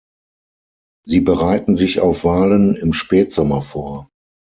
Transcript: Sie bereiten sich auf Wahlen im Spätsommer vor.